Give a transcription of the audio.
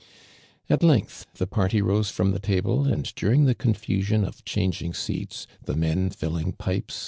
At length the party lose from tuble, and during tho confusion of changing seats, the men tilling pipe s.